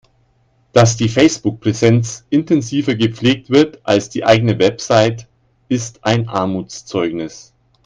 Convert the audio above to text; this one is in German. Dass die Facebook-Präsenz intensiver gepflegt wird als die eigene Website, ist ein Armutszeugnis.